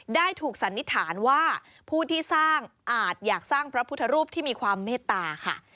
ได้ถูกสันนิษฐานว่าผู้ที่สร้างอาจอยากสร้างพระพุทธรูปที่มีความเมตตาค่ะ